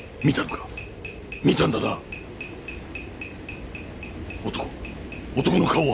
見たんだな！